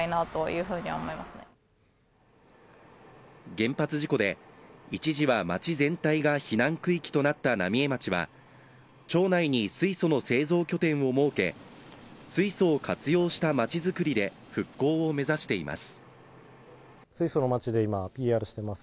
原発事故で一時は町全体が避難区域となった浪江町は町内に水素の製造拠点を設け水素を活用した町づくりで復興を目指しています。